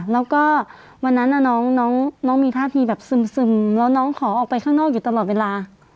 แล้วก็วันนั้นน้องมีท่าทีแบบซึมแล้วน้องขอออกไปข้างนอกอยู่ตลอดเวลา